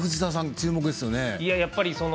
注目ですよね。